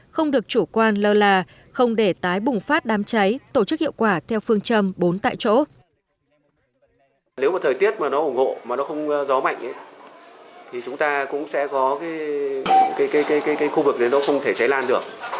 không được chủ quan lơ là không để tái bùng phát đám cháy tổ chức hiệu quả theo phương châm bốn tại chỗ